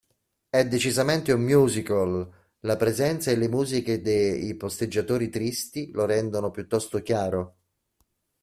È decisamente un musical, la presenza e le musiche de "I posteggiatori tristi" lo rendono piuttosto chiaro.